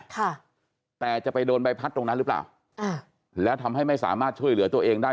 ค่ะแต่จะไปโดนใบพัดตรงนั้นหรือเปล่าอ่าแล้วทำให้ไม่สามารถช่วยเหลือตัวเองได้